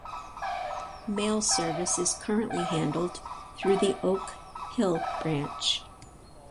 Mail service is currently handled through the Oak Hill branch.